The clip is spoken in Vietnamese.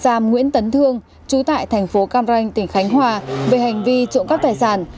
giam nguyễn tấn thương chú tại thành phố cam ranh tỉnh khánh hòa về hành vi trộm cắp tài sản